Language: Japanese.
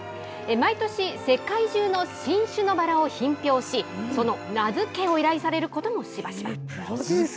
毎年、世界中の新種のバラを品評し、その名付けを依頼されることもしばしば。